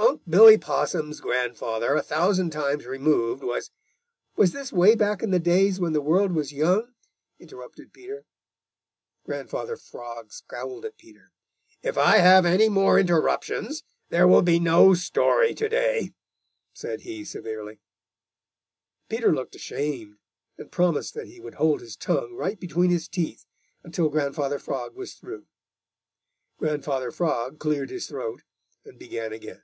Unc' Billy Possum's grandfather a thousand times removed was " "Was this way back in the days when the world was young?" interrupted Peter. Grandfather Frog scowled at Peter. "If I have any more interruptions, there will be no story to day" said he severely. Peter looked ashamed and promised that he would hold his tongue right between his teeth until Grandfather Frog was through. Grandfather Frog cleared his throat and began again.